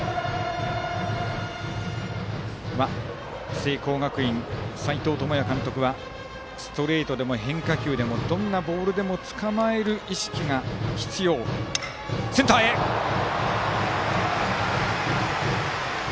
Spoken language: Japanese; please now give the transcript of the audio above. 聖光学院、斎藤智也監督はストレートでも変化球でもどんなボールでもつかまえる意識が必要だと話します。